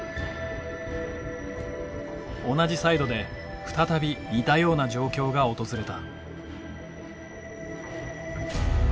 同じサイドで再び似たような状況が訪れた。